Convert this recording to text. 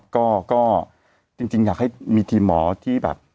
นะครับก็จริงให้มีทีมหมอที่แบบ